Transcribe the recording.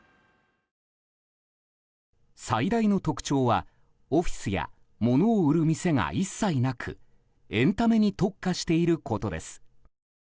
最大の特徴はオフィスや物を売る店が一切なくエンタメに特化していることです。